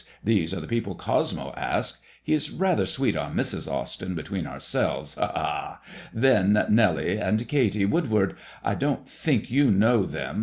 These are the people Cosmo asked. He is rather sweet on Mrs. Austyn, between ourselves. Hal ha I Then Nelly and Katy Woodward. I don't think you know them.